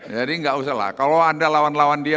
jadi enggak usah lah kalau anda lawan lawan dia